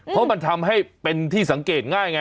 เพราะมันทำให้เป็นที่สังเกตง่ายไง